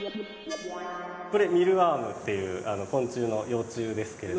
これミールワームっていう昆虫の幼虫ですけれども。